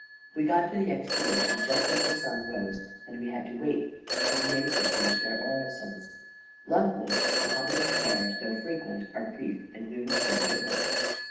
We got to the excavation just as the sun rose, and we had to wait till the natives had finished their orisons. Luckily Mohammedan prayers, though frequent, are brief and we were soon at work.